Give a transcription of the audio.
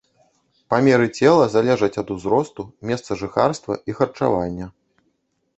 Памеры цела залежаць ад узросту, месцажыхарства і харчавання.